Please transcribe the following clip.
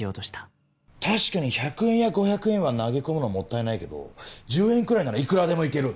確かに１００円や５００円は投げ込むのもったいないけど１０円くらいならいくらでもいける。